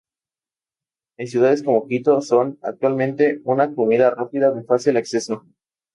En ciudades como Quito son, actualmente, una comida rápida de fácil acceso.